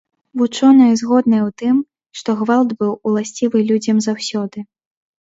Вучоныя згодныя ў тым, што гвалт быў уласцівы людзям заўсёды.